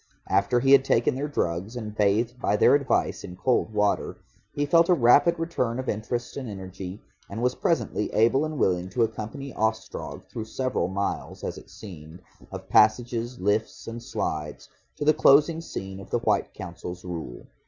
After he had taken their drugs and bathed by their advice in cold water, he felt a rapid return of interest and energy, and was presently able and willing to accompany Ostrog through several miles (as it seemed) of passages, lifts, and slides to the closing scene of the White Council's rule.